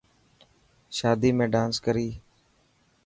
شادي ۾ ڊانس ڪري.